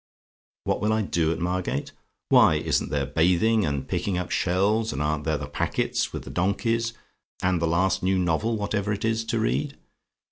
"WHAT WILL I DO AT MARGATE? "Why, isn't there bathing, and picking up shells; and aren't there the packets, with the donkeys; and the last new novel, whatever it is, to read?